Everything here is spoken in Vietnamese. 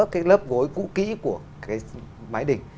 cái lớp gối cũ kĩ của cái mái đình